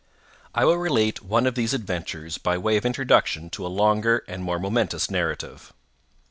I will relate one of these adventures by way of introduction to a longer and more momentous narrative.